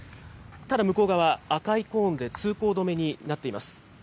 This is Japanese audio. ただ向こう側、赤いコーンで通行止めになっています。